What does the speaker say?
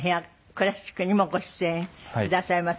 クラシックにもご出演くださいます。